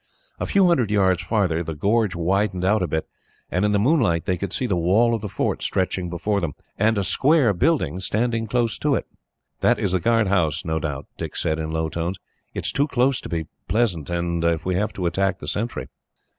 A few hundred yards farther, the gorge widened out a bit, and in the moonlight they could see the wall of the fort stretching before them, and a square building standing close to it. "That is the guard house, no doubt," Dick said, in low tones. "It is too close to be pleasant, if we have to attack the sentry."